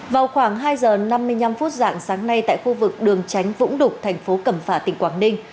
vào khoảng hai giờ năm mươi năm phút dạng sáng nay tại khu vực đường tránh vũng đục thành phố cẩm phả tỉnh quảng ninh